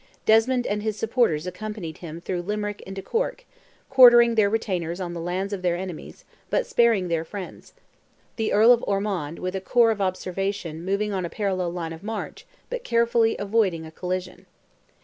Desmond and his supporters accompanied him through Limerick into Cork, quartering their retainers on the lands of their enemies, but sparing their friends; the Earl of Ormond with a corps of observation moving on a parallel line of march, but carefully avoiding a collision.